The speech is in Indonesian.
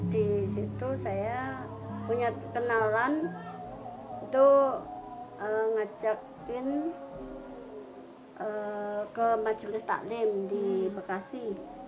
di situ saya punya kenalan itu ngajakin ke majelis taklim di bekasi